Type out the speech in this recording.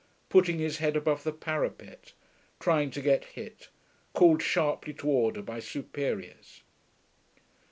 putting his head above the parapet, trying to get hit, called sharply to order by superiors....